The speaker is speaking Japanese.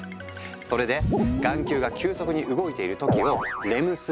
それで眼球が急速に動いている時を「レム睡眠」